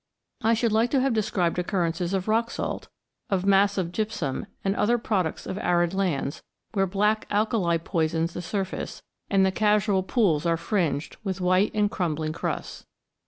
I should like to have described occurrences of rock salt, of massive gypsum, and other products of arid lands, where "black alkali" poisons the surface, and the casual pools are vi PREFACE fringed with white and crumbling crusts.